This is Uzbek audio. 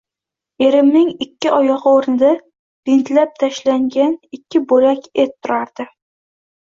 Erimning ikki oyogʻi oʻrnida bintlab tashlangan ikki boʻlak et turardi